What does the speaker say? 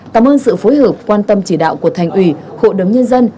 cảm ơn sự phối hợp quan tâm chỉ đạo của thành ủy hộ đấm nhân dân